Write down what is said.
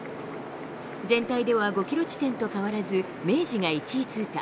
全体では５キロ地点と変わらず、明治が１位通過。